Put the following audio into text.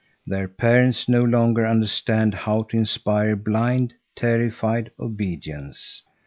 Their parents no longer understand how to inspire blind, terrified obedience.